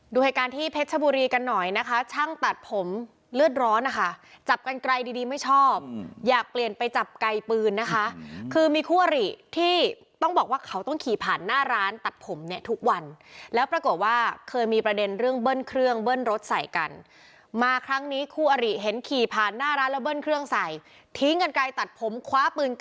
เหตุการณ์ที่เพชรชบุรีกันหน่อยนะคะช่างตัดผมเลือดร้อนนะคะจับกันไกลดีดีไม่ชอบอยากเปลี่ยนไปจับไกลปืนนะคะคือมีคู่อริที่ต้องบอกว่าเขาต้องขี่ผ่านหน้าร้านตัดผมเนี่ยทุกวันแล้วปรากฏว่าเคยมีประเด็นเรื่องเบิ้ลเครื่องเบิ้ลรถใส่กันมาครั้งนี้คู่อริเห็นขี่ผ่านหน้าร้านแล้วเบิ้ลเครื่องใส่ทิ้งกันไกลตัดผมคว้าปืนก